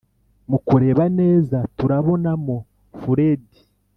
mukureba neza turabona mo furedi